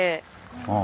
ああ。